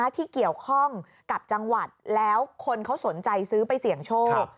ที่เกี่ยวข้องกับจังหวัดแล้วคนเขาสนใจซื้อไปเสี่ยงโชค